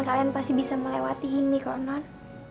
kalian pasti bisa melewati ini kok non